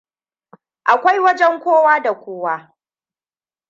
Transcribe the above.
Akwai wajen kowa da kowa.